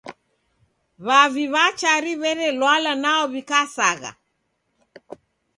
W'avi w'a Chari w'erelwala nwao w'ikasagha.